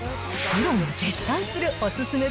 プロも絶賛するおすすめ